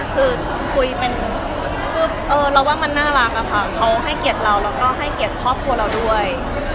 คือคุยเป็นคือเราว่ามันน่ารักอะค่ะเขาให้เกียรติเราแล้วก็ให้เกียรติครอบครัวเราด้วย